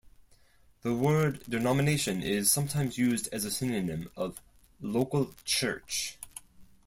The word denomination is sometimes used as a synonym of local church.